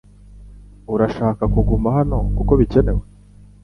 Urashaka kuguma hano kuko bikenewe